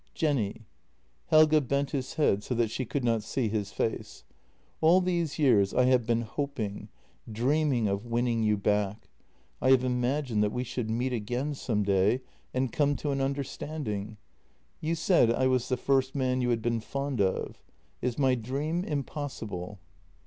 " Jenny "— Helge bent his head so that she could not see his face — "all these years I have been hoping — dreaming of winning you back. I have imagined that we should meet again some day and come to an understanding. You said I was the first man you had been fond of. Is my dream impossible?